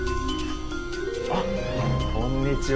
あっこんにちは。